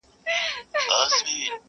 او بحثونه بيا راګرځي تل،